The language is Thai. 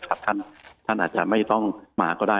ท่านอาจจะไม่ต้องมาก็ได้